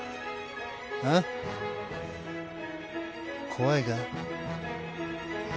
怖いか？